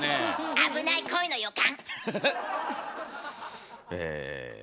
危ない恋の予感。